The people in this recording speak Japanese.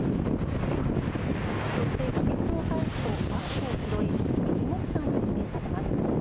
そしてきびすを返すとバッグを拾い一目散に逃げ去ります。